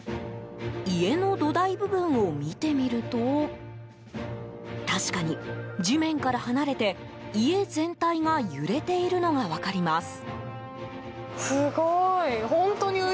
家の土台部分を見てみると確かに、地面から離れて家全体が揺れているのが分かります。